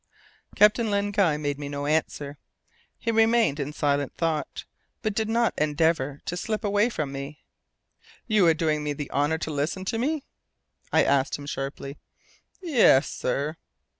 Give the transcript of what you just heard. Captain Len Guy made me no answer; he remained in silent thought, but did not endeavour to slip away from me. "You are doing me the honour to listen to me?" I asked him sharply. "Yes, sir."